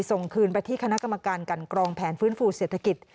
ส่งคืนไปที่คณะกรรมการกันกรองแผนฟื้นฟูเศรษฐกิจ